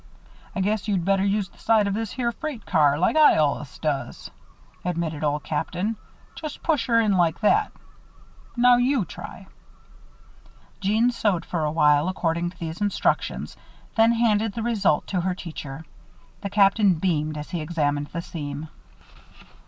"I guess you'd better use the side of this here freight car like I allus does," admitted Old Captain. "Just push her in like that. Now, you try." Jeanne sewed for a while, according to these instructions, then handed the result to her teacher. The Captain beamed as he examined the seam.